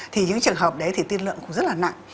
thì những trường hợp đấy thì tiên lượng cũng rất là nặng